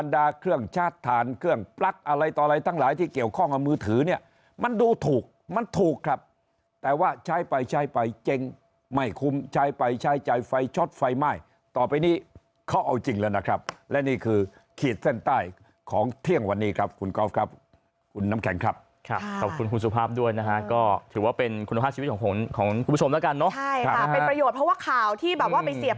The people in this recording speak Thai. ทางเครื่องปลั๊กอะไรต่ออะไรตั้งหลายที่เกี่ยวข้องกับมือถือเนี่ยมันดูถูกมันถูกครับแต่ว่าใช้ไปใช้ไปเจ็งไม่คุ้มใช้ไปใช้จ่ายไฟช็อตไฟไม่ต่อไปนี้เขาเอาจริงเลยนะครับและนี่คือขีดเส้นใต้ของเที่ยงวันนี้ครับคุณกรอฟครับคุณน้ำแข็งครับขอบคุณคุณสุภาพด้วยนะฮะก็ถือว่าเป็นคุณภาพชีวิต